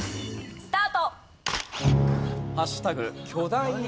スタート！